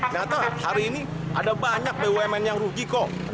ternyata hari ini ada banyak bumn yang rugi kok